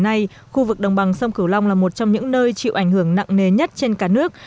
hiện nay khu vực đồng bằng sông cửu long là một trong những nơi chịu ảnh hưởng nặng nề nhất trên cả nước